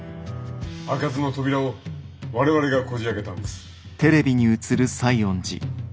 開かずの扉を我々がこじあけたんです」。